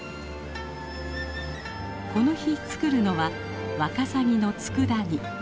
この日作るのはワカサギのつくだ煮。